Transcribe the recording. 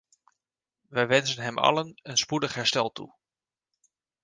Wij wensen hem allen een spoedig herstel toe.